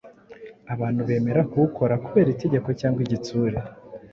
Abantu bemera kuwukora kubera itegeko cyangwa igitsure,